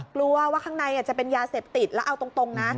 กลัวว่าข้างในจะเป็นยาเสพติดแล้วเอาตรงนะ